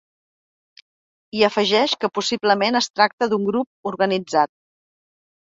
I afegeix que possiblement es tracta d’un grup organitzat.